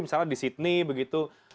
misalnya di sydney begitu